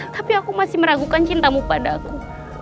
tapi aku masih meragukan cintamu padaku